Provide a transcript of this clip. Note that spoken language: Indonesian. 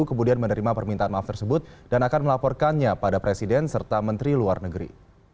kemudian menerima permintaan maaf tersebut dan akan melaporkannya pada presiden serta menteri luar negeri